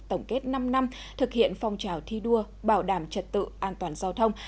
tổng kết năm năm thực hiện phong trào thi đua bảo đảm trật tự an toàn giao thông